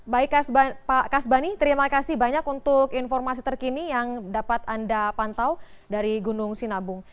baik pak kasbani terima kasih banyak untuk informasi terkini yang dapat anda pantau dari gunung sinabung